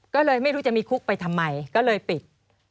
ก็เลยไม่รู้จะมีคุกไปทำไมก็เลยปิด